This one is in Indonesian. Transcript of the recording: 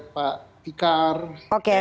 pak fikar oke saya